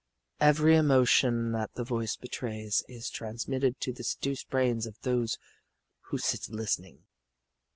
Every emotion that the voice betrays is transmitted to the seduced brains of those who sit listening.